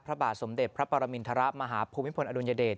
พระบาทสมเด็จพระปรมินทรมาฮภูมิพลอดุลยเดช